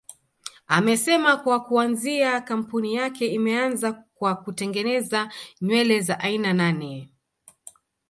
Amesema kwa kuanzia kampuni yake imeanza kwa kutengeneza nywele za aina nane